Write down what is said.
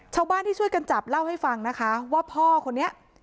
ชาวบ้านที่ช่วยกันจับเล่าให้ฟังนะคะว่าพ่อคนนี้